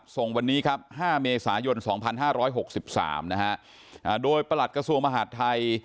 ส่งวันนี้ครับ๕เมษายน๒๕๖๓นะฮะโดยประหลัดกระทรวงมหาดไทย